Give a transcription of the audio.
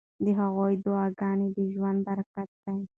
د هغوی دعاګانې د ژوند برکت دی.